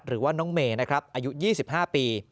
หรือว่าน้องเมย์นะครับอายุ๒๕ปี